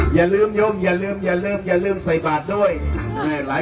อย่าลืมย่มอย่าลืมอย่าลืมอย่าลืมใส่บาดด้วยนะครับหลาย